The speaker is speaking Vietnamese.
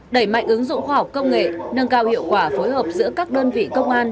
đẩy mạnh ứng dụng khoa học công nghệ nâng cao hiệu quả phối hợp giữa các đơn vị công an